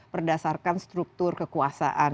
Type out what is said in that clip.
berdasarkan struktur kekuasaan